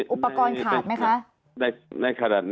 อุปกรณ์ขาดไหมคะ